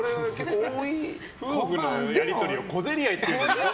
夫婦のやり取りを小競り合いと。